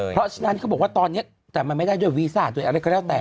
เพราะฉะนั้นเขาบอกว่าตอนนี้แต่มันไม่ได้ด้วยวีซ่าด้วยอะไรก็แล้วแต่